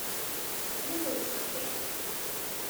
一路上的人，